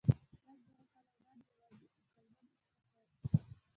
لسزره کاله وړاندې یواځې عقلمن انسان پاتې شو.